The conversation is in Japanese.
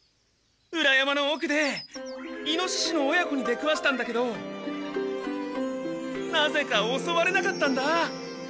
裏山の奥でイノシシの親子に出くわしたんだけどなぜかおそわれなかったんだ！